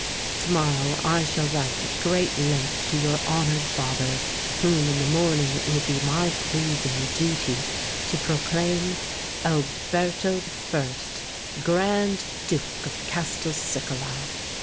"To morrow I shall write at great length to your honoured father, whom in the morning it will be my pleasing duty to proclaim ALBERTO I. GRAND DUKE OF CASTELCICALA.